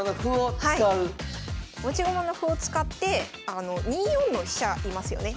持ち駒の歩を使って２四の飛車居ますよね。